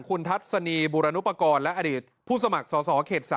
คุณทัศนีบุรณุปกรณ์และอดีตผู้สมัครสอสอเขต๓